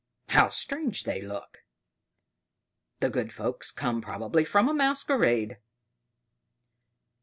"How strange they look! The good folks come probably from a masquerade!"